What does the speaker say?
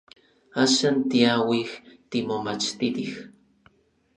Axan tiauij timomachtitij.